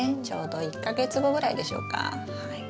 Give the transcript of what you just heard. ちょうど１か月後ぐらいでしょうか。